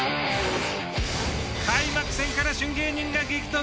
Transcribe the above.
開幕戦から旬芸人が激突。